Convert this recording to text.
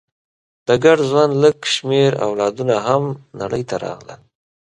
د ګډ ژوند لږ شمېر اولادونه هم نړۍ ته راغلل.